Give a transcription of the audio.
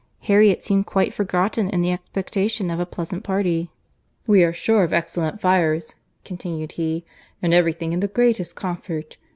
Harriet seemed quite forgotten in the expectation of a pleasant party. "We are sure of excellent fires," continued he, "and every thing in the greatest comfort.